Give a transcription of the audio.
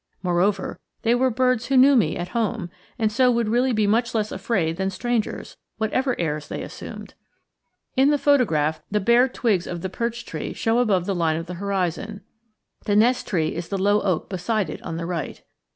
Moreover, they were birds who knew me at home, and so would really be much less afraid than strangers, whatever airs they assumed. In the photograph, the bare twigs of the perch tree show above the line of the horizon; the nest tree is the low oak beside it on the right.